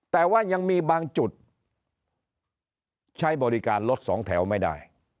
แต่ว่ายังมีบางจุดใช้บริการรถสองแถวไม่ได้